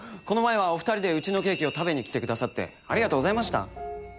この前はお二人でうちのケーキを食べに来てくださってありがとうございました。